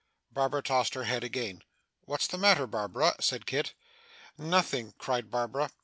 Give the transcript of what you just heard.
Barbara tossed her head again. 'What's the matter, Barbara?' said Kit. 'Nothing,' cried Barbara.